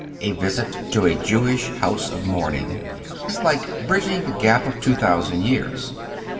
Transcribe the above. A visit to a Jewish house of mourning is like bridging the gap of two thousand years.